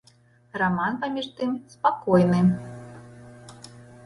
Раман паміж тым спакойны.